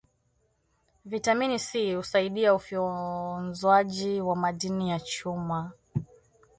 vitamini C husaidia ufyonzwaji wa madini ya chuma